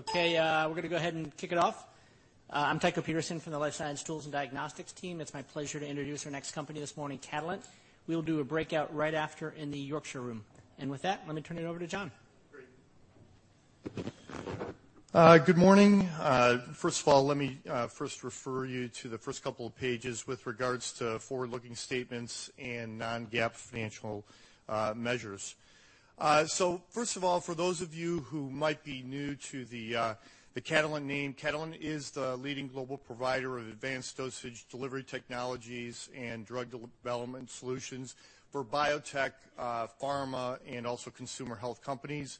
Okay, we're going to go ahead and kick it off. I'm Tycho Peterson from the Life Science Tools and Diagnostics team. It's my pleasure to introduce our next company this morning, Catalent. We'll do a breakout right after in the Yorkshire room, and with that, let me turn it over to John. Great. Good morning. First of all, let me first refer you to the first couple of pages with regards to forward-looking statements and non-GAAP financial measures. So first of all, for those of you who might be new to the Catalent name, Catalent is the leading global provider of advanced dosage delivery technologies and drug development solutions for biotech, pharma, and also consumer health companies.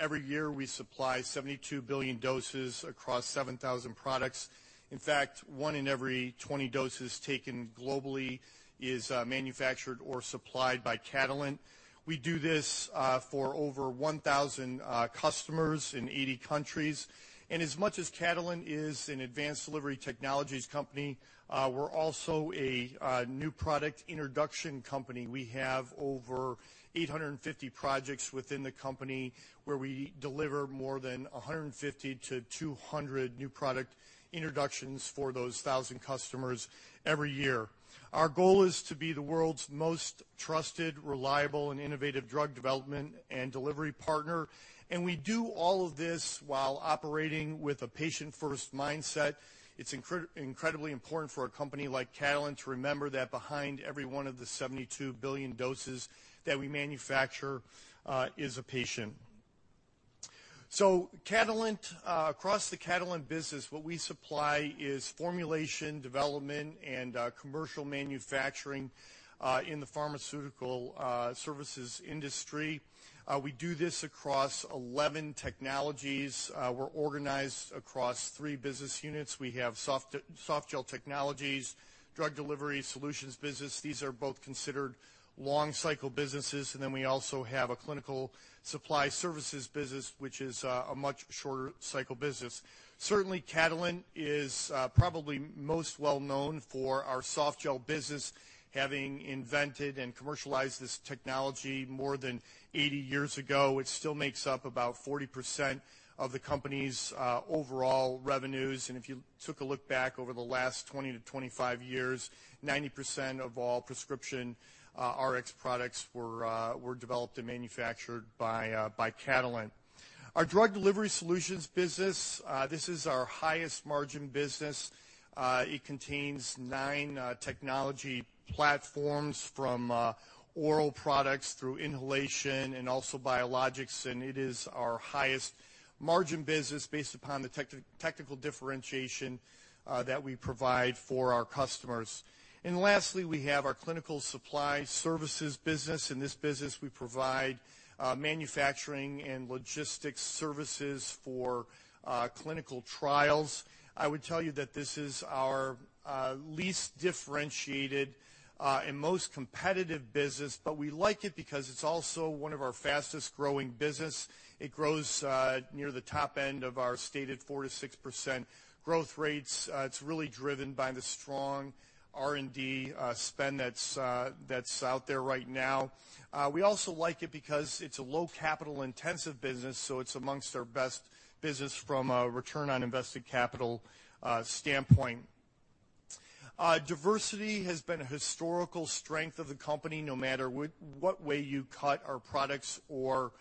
Every year, we supply 72 billion doses across 7,000 products. In fact, one in every 20 doses taken globally is manufactured or supplied by Catalent. We do this for over 1,000 customers in 80 countries. And as much as Catalent is an advanced delivery technologies company, we're also a new product introduction company. We have over 850 projects within the company where we deliver more than 150-200 new product introductions for those 1,000 customers every year. Our goal is to be the world's most trusted, reliable, and innovative drug development and delivery partner, and we do all of this while operating with a patient-first mindset. It's incredibly important for a company like Catalent to remember that behind every one of the 72 billion doses that we manufacture is a patient, so Catalent, across the Catalent business, what we supply is formulation, development, and commercial manufacturing in the pharmaceutical services industry. We do this across 11 technologies. We're organized across three business units. We have Softgel Technologies, drug delivery solutions business. These are both considered long-cycle businesses, and then we also have a clinical supply services business, which is a much shorter-cycle business. Certainly, Catalent is probably most well-known for our softgel business, having invented and commercialized this technology more than 80 years ago. It still makes up about 40% of the company's overall revenues. And if you took a look back over the last 20-25 years, 90% of all prescription Rx products were developed and manufactured by Catalent. Our drug delivery solutions business, this is our highest margin business. It contains nine technology platforms from oral products through inhalation and also biologics. And it is our highest margin business based upon the technical differentiation that we provide for our customers. And lastly, we have our clinical supply services business. In this business, we provide manufacturing and logistics services for clinical trials. I would tell you that this is our least differentiated and most competitive business, but we like it because it's also one of our fastest-growing business. It grows near the top end of our stated 4-6% growth rates. It's really driven by the strong R&D spend that's out there right now. We also like it because it's a low-capital-intensive business, so it's among our best business from a return on invested capital standpoint. Diversity has been a historical strength of the company. No matter what way you cut our products or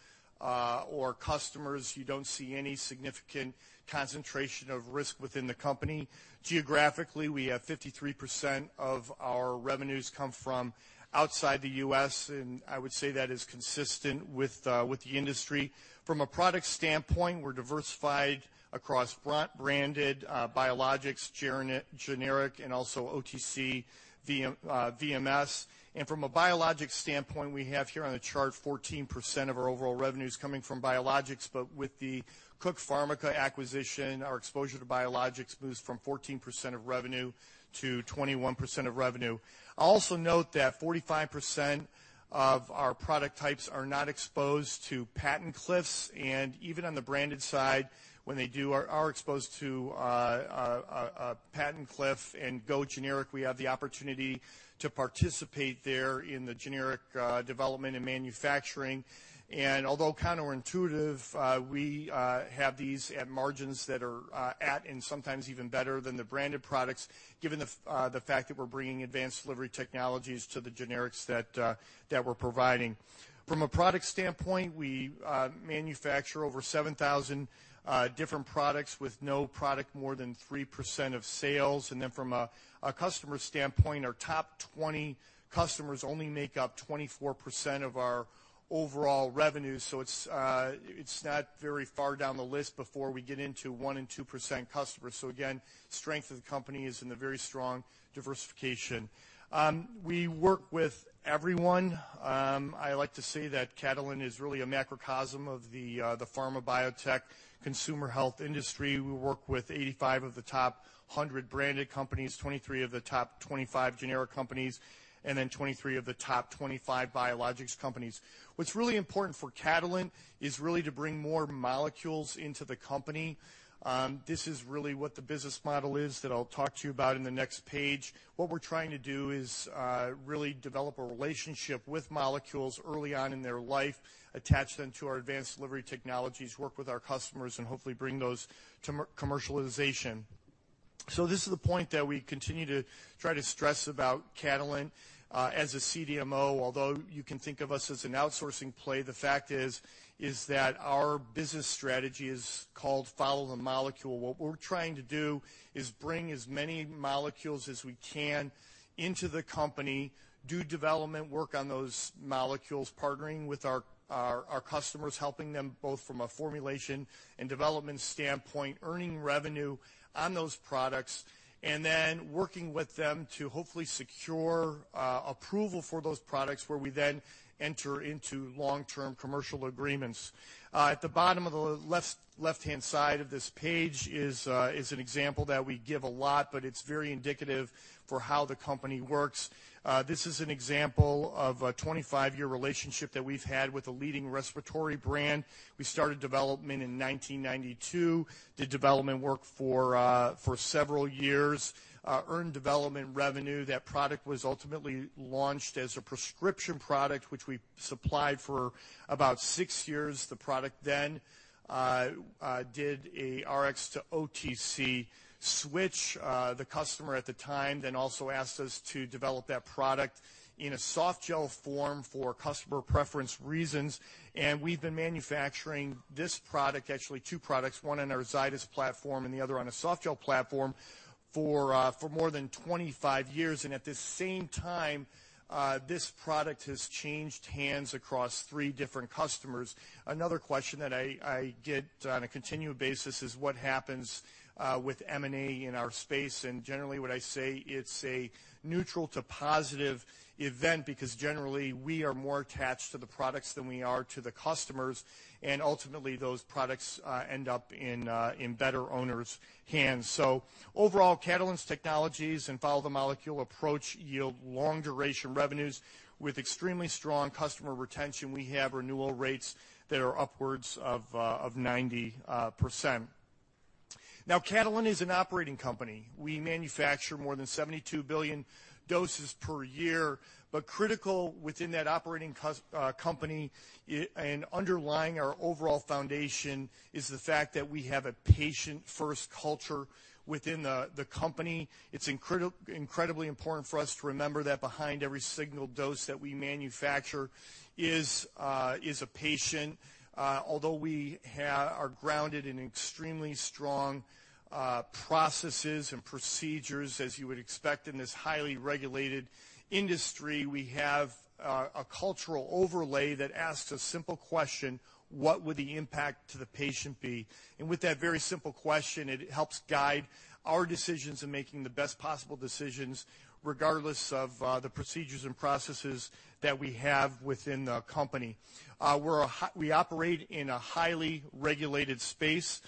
customers, you don't see any significant concentration of risk within the company. Geographically, we have 53% of our revenues come from outside the U.S., and I would say that is consistent with the industry. From a product standpoint, we're diversified across branded biologics, generic, and also OTC VMS, and from a biologic standpoint, we have here on the chart 14% of our overall revenues coming from biologics, but with the Cook Pharmica acquisition, our exposure to biologics moves from 14% of revenue to 21% of revenue. I'll also note that 45% of our product types are not exposed to patent cliffs. Even on the branded side, when they're exposed to patent cliff. For generics, we have the opportunity to participate there in the generic development and manufacturing. Although counterintuitive, we have these at margins that are at and sometimes even better than the branded products, given the fact that we're bringing advanced delivery technologies to the generics that we're providing. From a product standpoint, we manufacture over 7,000 different products with no product more than 3% of sales. From a customer standpoint, our top 20 customers only make up 24% of our overall revenue. It's not very far down the list before we get into 1% and 2% customers. Again, strength of the company is in the very strong diversification. We work with everyone. I like to say that Catalent is really a macrocosm of the pharma, biotech, consumer health industry. We work with 85 of the top 100 branded companies, 23 of the top 25 generic companies, and then 23 of the top 25 biologics companies. What's really important for Catalent is really to bring more molecules into the company. This is really what the business model is that I'll talk to you about in the next page. What we're trying to do is really develop a relationship with molecules early on in their life, attach them to our advanced delivery technologies, work with our customers, and hopefully bring those to commercialization. So this is the point that we continue to try to stress about Catalent as a CDMO. Although you can think of us as an outsourcing play, the fact is that our business strategy is called follow the molecule. What we're trying to do is bring as many molecules as we can into the company, do development work on those molecules, partnering with our customers, helping them both from a formulation and development standpoint, earning revenue on those products, and then working with them to hopefully secure approval for those products where we then enter into long-term commercial agreements. At the bottom of the left-hand side of this page is an example that we give a lot, but it's very indicative for how the company works. This is an example of a 25-year relationship that we've had with a leading respiratory brand. We started development in 1992, did development work for several years, earned development revenue. That product was ultimately launched as a prescription product, which we supplied for about six years. The product then did an Rx to OTC switch. The customer at the time then also asked us to develop that product in a softgel form for customer preference reasons, and we've been manufacturing this product, actually two products, one on our Zydis platform and the other on a softgel platform for more than 25 years, and at the same time, this product has changed hands across three different customers. Another question that I get on a continued basis is what happens with M&A in our space, and generally, what I say, it's a neutral to positive event because generally, we are more attached to the products than we are to the customers, and ultimately, those products end up in better owners' hands, so overall, Catalent's technologies and follow the molecule approach yield long-duration revenues with extremely strong customer retention. We have renewal rates that are upwards of 90%. Now, Catalent is an operating company. We manufacture more than 72 billion doses per year. But critical within that operating company and underlying our overall foundation is the fact that we have a patient-first culture within the company. It's incredibly important for us to remember that behind every single dose that we manufacture is a patient. Although we are grounded in extremely strong processes and procedures, as you would expect in this highly regulated industry, we have a cultural overlay that asks a simple question: What would the impact to the patient be? And with that very simple question, it helps guide our decisions in making the best possible decisions regardless of the procedures and processes that we have within the company. We operate in a highly regulated space.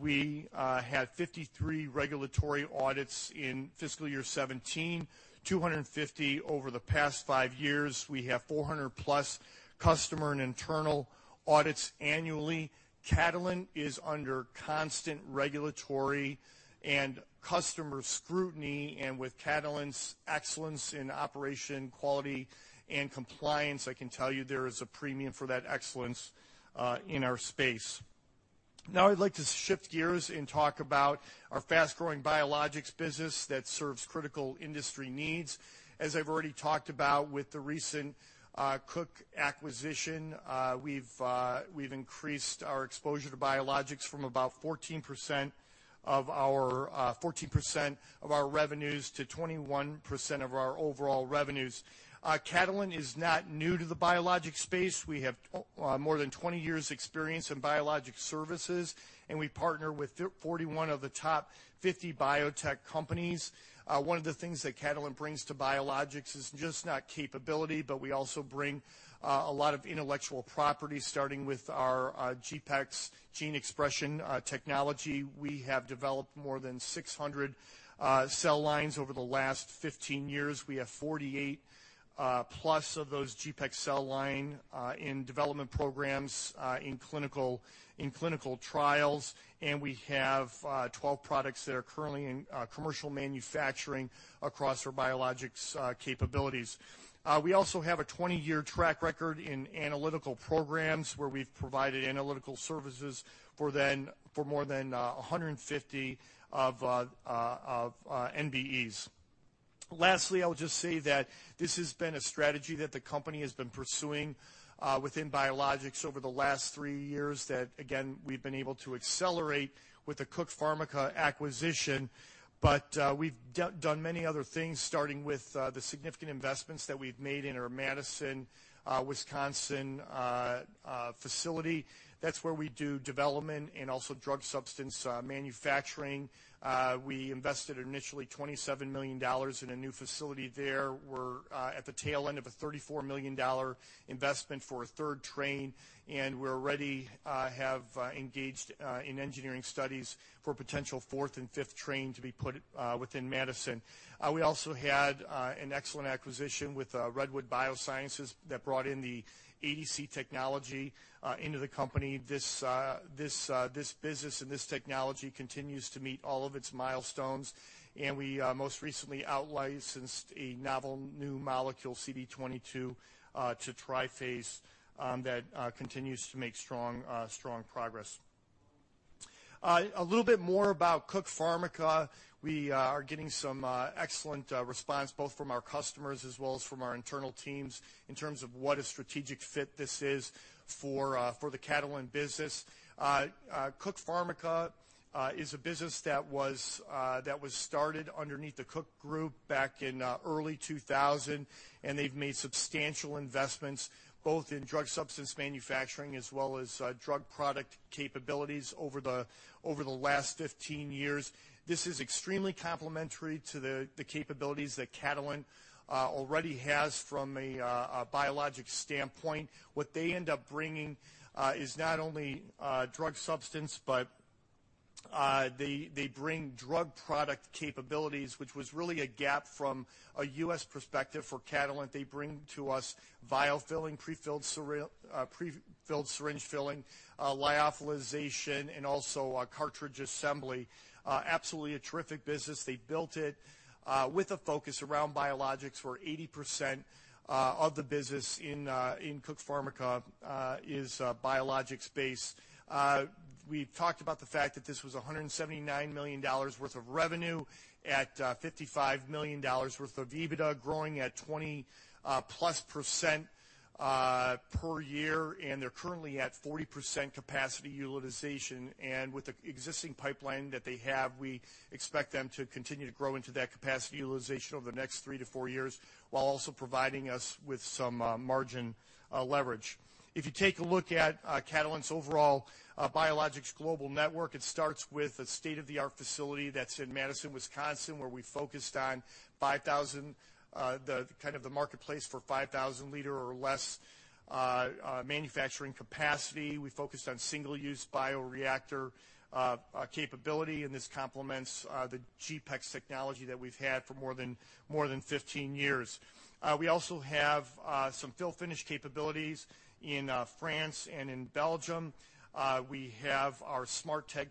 We had 53 regulatory audits in fiscal year 2017, 250 over the past five years. We have 400-plus customer and internal audits annually. Catalent is under constant regulatory and customer scrutiny. And with Catalent's excellence in operation, quality, and compliance, I can tell you there is a premium for that excellence in our space. Now, I'd like to shift gears and talk about our fast-growing biologics business that serves critical industry needs. As I've already talked about with the recent Cook acquisition, we've increased our exposure to biologics from about 14% of our revenues to 21% of our overall revenues. Catalent is not new to the biologic space. We have more than 20 years' experience in biologic services, and we partner with 41 of the top 50 biotech companies. One of the things that Catalent brings to biologics is just not capability, but we also bring a lot of intellectual property, starting with our GPEx gene expression technology. We have developed more than 600 cell lines over the last 15 years. We have 48-plus of those GPEx cell line in development programs in clinical trials. And we have 12 products that are currently in commercial manufacturing across our biologics capabilities. We also have a 20-year track record in analytical programs where we've provided analytical services for more than 150 of NBEs. Lastly, I'll just say that this has been a strategy that the company has been pursuing within biologics over the last three years that, again, we've been able to accelerate with the Cook Pharmica acquisition. But we've done many other things, starting with the significant investments that we've made in our Madison, Wisconsin facility. That's where we do development and also drug substance manufacturing. We invested initially $27 million in a new facility there. We're at the tail end of a $34 million investment for a third train. We already have engaged in engineering studies for potential fourth and fifth train to be put within Madison. We also had an excellent acquisition with Redwood Biosciences that brought in the ADC technology into the company. This business and this technology continues to meet all of its milestones. We most recently outlicensed a novel new molecule, CD22, to Triphase that continues to make strong progress. A little bit more about Cook Pharmica. We are getting some excellent response both from our customers as well as from our internal teams in terms of what a strategic fit this is for the Catalent business. Cook Pharmica is a business that was started underneath the Cook Group back in early 2000. They've made substantial investments both in drug substance manufacturing as well as drug product capabilities over the last 15 years. This is extremely complementary to the capabilities that Catalent already has from a biologics standpoint. What they end up bringing is not only drug substance, but they bring drug product capabilities, which was really a gap from a U.S. perspective for Catalent. They bring to us vial filling, prefilled syringe filling, lyophilization, and also cartridge assembly. Absolutely a terrific business. They built it with a focus around biologics where 80% of the business in Cook Pharmica is biologics-based. We've talked about the fact that this was $179 million worth of revenue at $55 million worth of EBITDA, growing at 20-plus% per year, and they're currently at 40% capacity utilization, and with the existing pipeline that they have, we expect them to continue to grow into that capacity utilization over the next three to four years while also providing us with some margin leverage. If you take a look at Catalent's overall biologics global network, it starts with a state-of-the-art facility that's in Madison, Wisconsin, where we focused on kind of the marketplace for 5,000 liter or less manufacturing capacity. We focused on single-use bioreactor capability. And this complements the GPEX technology that we've had for more than 15 years. We also have some fill-finish capabilities in France and in Belgium. We have our SMARTag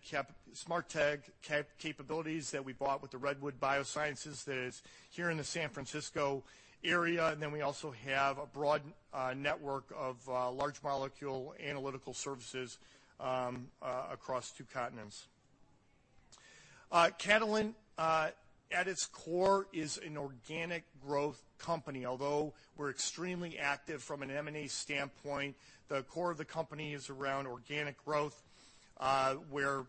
capabilities that we bought with the Redwood Biosciences that is here in the San Francisco area. And then we also have a broad network of large molecule analytical services across two continents. Catalent, at its core, is an organic growth company. Although we're extremely active from an M&A standpoint, the core of the company is around organic growth where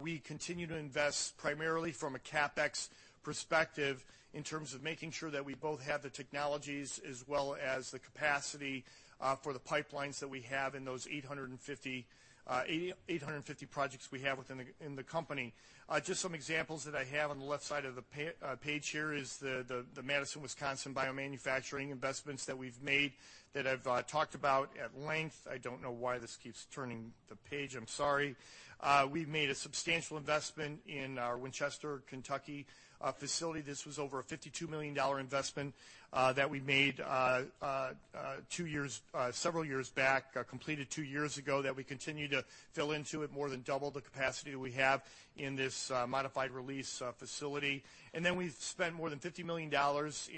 we continue to invest primarily from a CapEx perspective in terms of making sure that we both have the technologies as well as the capacity for the pipelines that we have in those 850 projects we have within the company. Just some examples that I have on the left side of the page here is the Madison, Wisconsin biomanufacturing investments that we've made that I've talked about at length. I don't know why this keeps turning the page. I'm sorry. We've made a substantial investment in our Winchester, Kentucky facility. This was over a $52 million investment that we made several years back, completed two years ago, that we continue to fill into. It more than doubled the capacity we have in this modified release facility. And then we've spent more than $50 million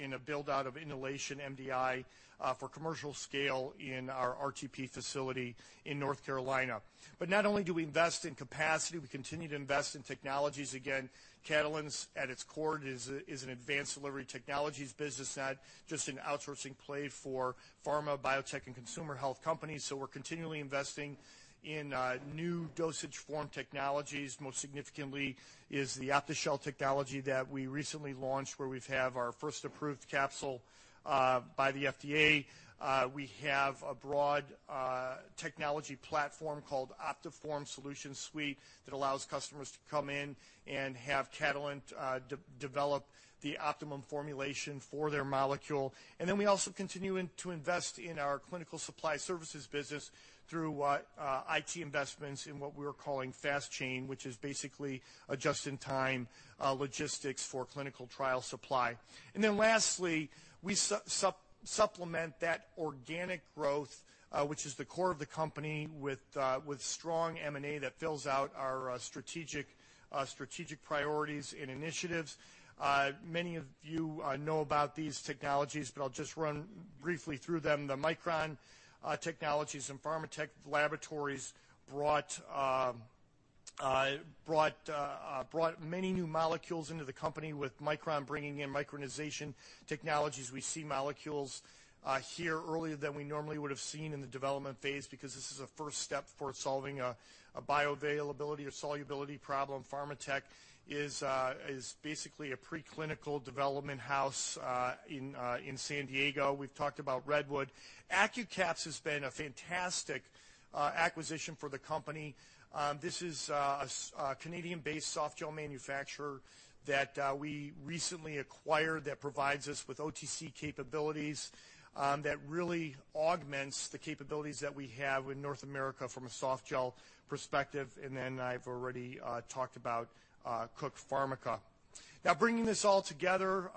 in a build-out of inhalation MDI for commercial scale in our RTP facility in North Carolina. But not only do we invest in capacity, we continue to invest in technologies. Again, Catalent, at its core, is an advanced delivery technologies business, not just an outsourcing play for pharma, biotech, and consumer health companies. So we're continually investing in new dosage form technologies. Most significantly is the OptiShell technology that we recently launched where we've had our first approved capsule by the FDA. We have a broad technology platform called OptiForm Solution Suite that allows customers to come in and have Catalent develop the optimum formulation for their molecule. And then we also continue to invest in our clinical supply services business through IT investments in what we're calling FastChain, which is basically just-in-time logistics for clinical trial supply. And then lastly, we supplement that organic growth, which is the core of the company, with strong M&A that fills out our strategic priorities and initiatives. Many of you know about these technologies, but I'll just run briefly through them. The Micron Technologies and Pharmatek Laboratories brought many new molecules into the company with Micron bringing in micronization technologies. We see molecules here earlier than we normally would have seen in the development phase because this is a first step for solving a bioavailability or solubility problem. Pharmatek is basically a preclinical development house in San Diego. We've talked about Redwood. Accucaps has been a fantastic acquisition for the company. This is a Canadian-based soft gel manufacturer that we recently acquired that provides us with OTC capabilities that really augments the capabilities that we have in North America from a soft gel perspective. And then I've already talked about Cook Pharmica. Now, bringing this all together,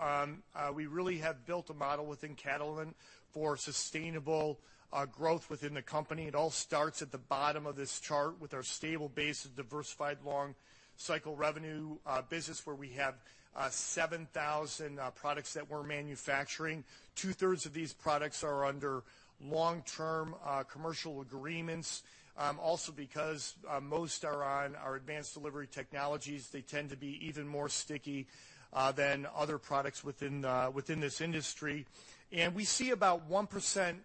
we really have built a model within Catalent for sustainable growth within the company. It all starts at the bottom of this chart with our stable base of diversified long-cycle revenue business where we have 7,000 products that we're manufacturing. Two-thirds of these products are under long-term commercial agreements. Also, because most are on our advanced delivery technologies, they tend to be even more sticky than other products within this industry. And we see about 1%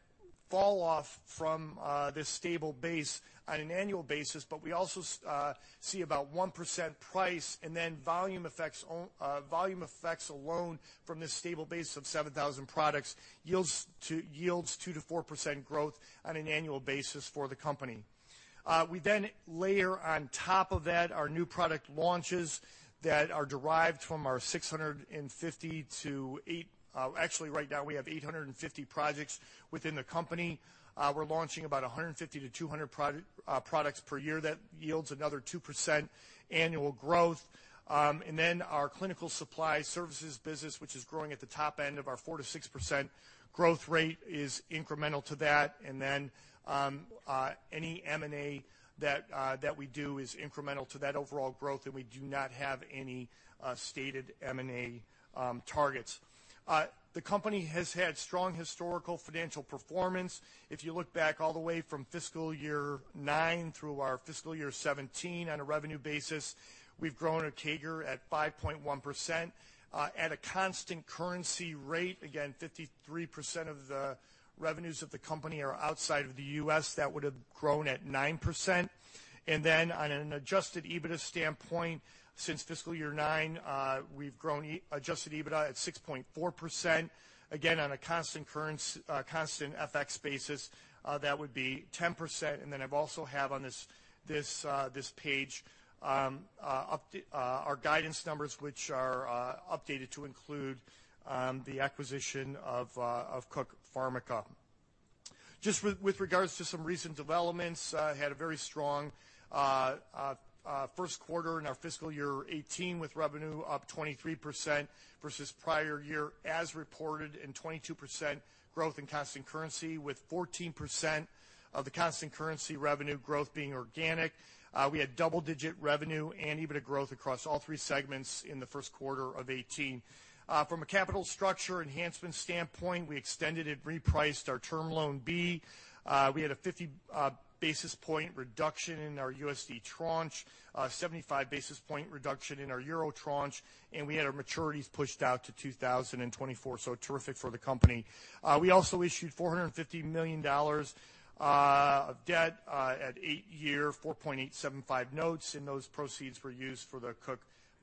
falloff from this stable base on an annual basis, but we also see about 1% price and then volume effects alone from this stable base of 7,000 products yields 2%-4% growth on an annual basis for the company. We then layer on top of that our new product launches that are derived from our 650 to 800 actually, right now, we have 850 projects within the company. We're launching about 150-200 products per year that yields another 2% annual growth. And then our clinical supply services business, which is growing at the top end of our 4-6% growth rate, is incremental to that. And then any M&A that we do is incremental to that overall growth. And we do not have any stated M&A targets. The company has had strong historical financial performance. If you look back all the way from fiscal year 2009 through our fiscal year 2017 on a revenue basis, we've grown a CAGR at 5.1% at a constant currency rate. Again, 53% of the revenues of the company are outside of the U.S. That would have grown at 9%. And then on an adjusted EBITDA standpoint, since fiscal year 2009, we've grown adjusted EBITDA at 6.4%. Again, on a constant FX basis, that would be 10%. And then I've also have on this page our guidance numbers, which are updated to include the acquisition of Cook Pharmica. Just with regards to some recent developments, had a very strong first quarter in our fiscal year 2018 with revenue up 23% versus prior year as reported and 22% growth in constant currency with 14% of the constant currency revenue growth being organic. We had double-digit revenue and EBITDA growth across all three segments in the first quarter of 2018. From a capital structure enhancement standpoint, we extended and repriced our term loan B. We had a 50 basis point reduction in our USD tranche, a 75 basis point reduction in our EUR tranche, and we had our maturities pushed out to 2024. So terrific for the company. We also issued $450 million of debt at eight-year 4.875% notes. And those proceeds were used for the Cook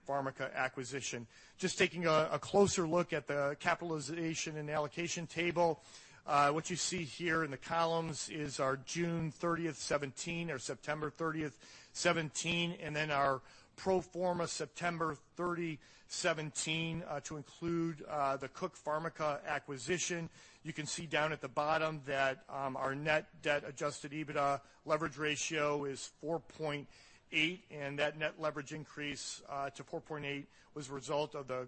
Pharmica acquisition. Just taking a closer look at the capitalization and allocation table, what you see here in the columns is our June 30th, 2017 or September 30th, 2017, and then our pro forma September 30th, 2017 to include the Cook Pharmica acquisition. You can see down at the bottom that our net debt adjusted EBITDA leverage ratio is 4.8. And that net leverage increase to 4.8 was a result of the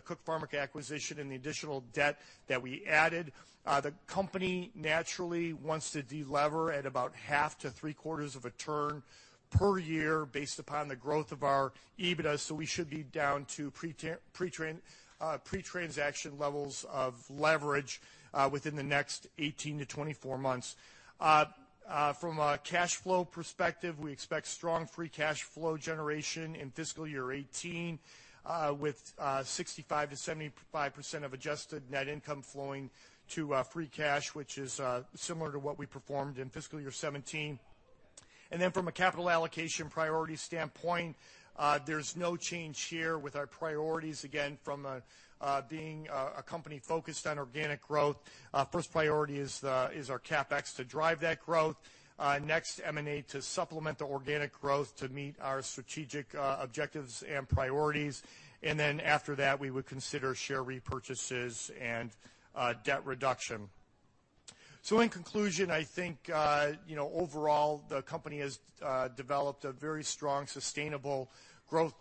Cook Pharmica acquisition and the additional debt that we added. The company naturally wants to delever at about half to three-quarters of a turn per year based upon the growth of our EBITDA. So we should be down to pretransaction levels of leverage within the next 18-24 months. From a cash flow perspective, we expect strong free cash flow generation in fiscal year 2018 with 65%-75% of adjusted net income flowing to free cash, which is similar to what we performed in fiscal year 2017, and then from a capital allocation priority standpoint, there's no change here with our priorities. Again, from being a company focused on organic growth, first priority is our CapEx to drive that growth. Next, M&A to supplement the organic growth to meet our strategic objectives and priorities, and then after that, we would consider share repurchases and debt reduction, so in conclusion, I think overall, the company has developed a very strong sustainable growth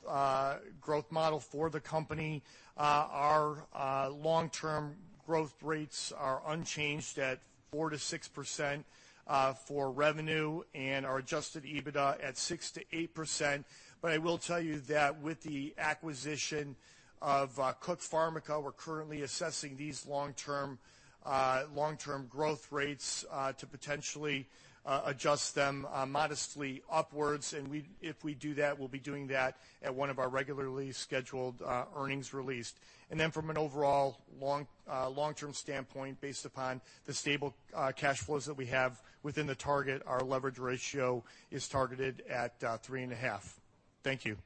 model for the company. Our long-term growth rates are unchanged at 4%-6% for revenue and our adjusted EBITDA at 6%-8%. But I will tell you that with the acquisition of Cook Pharmica, we're currently assessing these long-term growth rates to potentially adjust them modestly upwards. And if we do that, we'll be doing that at one of our regularly scheduled earnings release. And then from an overall long-term standpoint, based upon the stable cash flows that we have within the target, our leverage ratio is targeted at 3.5. Thank you.